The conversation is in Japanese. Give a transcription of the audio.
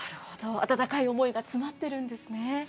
温かい思いが詰まってるんですね。